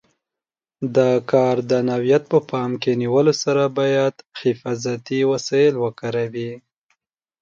د کار د نوعیت په پام کې نیولو سره باید حفاظتي وسایل وکاروي.